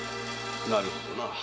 なるほどな。